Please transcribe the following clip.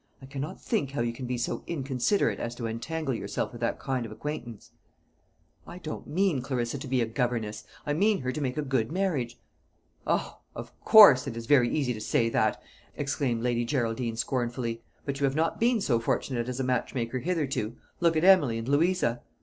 I cannot think how you can be so inconsiderate as to entangle yourself with that kind of acquaintance." "I don't mean Clarissa to be a governess; I mean her to make a good marriage." "O, of course it is very easy to say that," exclaimed Lady Geraldine scornfully; "but you have not been so fortunate as a match maker hitherto. Look at Emily and Louisa."